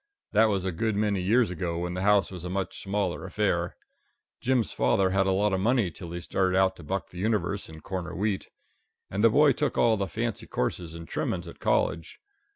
That was a good many years ago when the house was a much smaller affair. Jim's father had a lot of money till he started out to buck the universe and corner wheat. And the boy took all the fancy courses and trimmings at college.